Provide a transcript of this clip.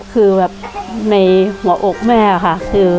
ภาคหมออกแม่ค่ะ